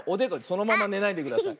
そのままねないでください。